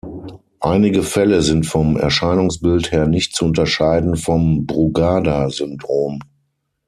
Einige Fälle sind vom Erscheinungsbild her nicht zu unterscheiden vom Brugada-Syndrom.